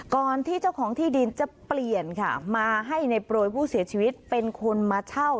ก่อนที่เจ้าของที่ดินจะเปลี่ยนค่ะมาให้ในโปรยผู้เสียชีวิตเป็นคนมาเช่า